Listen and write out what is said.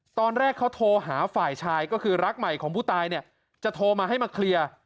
ตอนแรกเขาโทรหาฝ่ายชายก็คือรักใหม่ของผู้ตายเนี่ยจะโทรมาให้มาเคลียร์